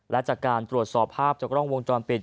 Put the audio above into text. และจากการตรวจสอบภาพจากกล้องวงจรปิด